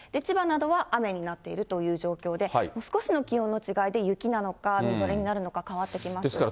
千葉などは雨になっているという状況で、少しの気温の違いで雪なのか、みぞれになるのか変わってきます。